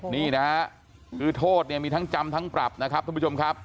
นี่นะฮะคือโทษเนี่ยมีทั้งจำทั้งปรับนะครับท่านผู้ชมครับ